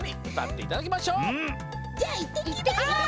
じゃあいってきます。